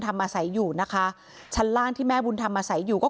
ธรรมมาใส่อยู่นะคะชั้นล่างที่แม่บุญธรรมมาใส่อยู่ก็